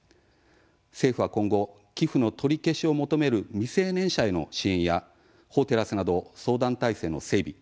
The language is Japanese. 政府は今後、寄付の取り消しを求める未成年者への支援や法テラスなど相談体制の整備